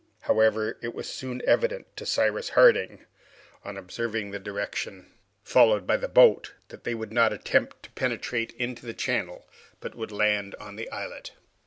However, it was soon evident to Cyrus Harding, on observing the direction followed by the boat, that they would not attempt to penetrate into the channel, but would land on the islet.